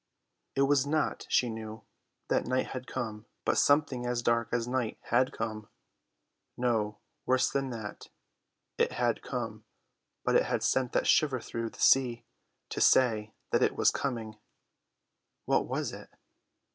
It was not, she knew, that night had come, but something as dark as night had come. No, worse than that. It had not come, but it had sent that shiver through the sea to say that it was coming. What was it?